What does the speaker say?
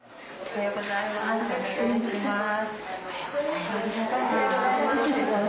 おはようございます。